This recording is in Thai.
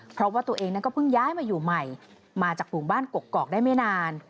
เพราะว่าตัวเองนั้นก็เพิ่งย้ายมาอยู่ใหม่มาจากหมู่บ้านกกอกได้ไม่นาน